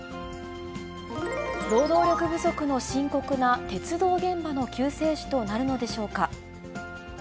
労働力不足の深刻な鉄道現場の救世主となるのでしょうか。